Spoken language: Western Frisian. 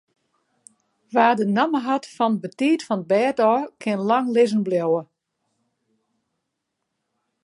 Wa't de namme hat fan betiid fan 't bêd ôf, kin lang lizzen bliuwe.